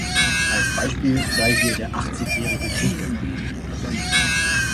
Als Beispiel sei hier der Achtzigjährige Krieg genannt.